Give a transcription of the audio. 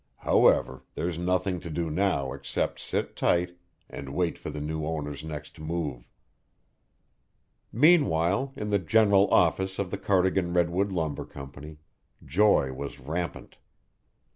However, there's nothing to do now except sit tight and wait for the new owner's next move." Meanwhile, in the general office of the Cardigan Redwood Lumber Company, joy was rampant.